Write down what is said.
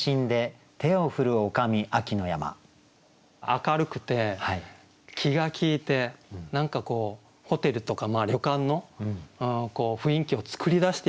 明るくて気が利いて何かホテルとか旅館の雰囲気を作り出しているような女将さん。